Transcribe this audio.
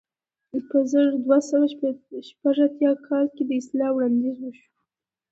په زر دوه سوه شپږ اتیا کال کې د اصلاح وړاندیز وشو.